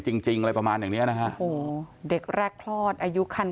จริงจริงอะไรประมาณอย่างเนี้ยนะฮะโอ้โหเด็กแรกคลอดอายุคัน